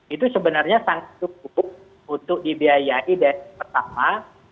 itu sebenarnya sangat cukup untuk dibiayai dari pertama